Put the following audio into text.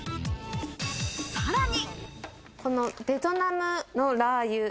さらに。